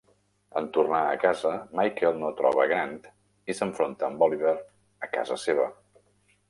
En tornar a casa, Michael no troba Grant i s'enfronta amb Oliver a casa seva.